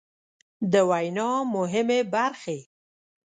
د وينا مهمې برخې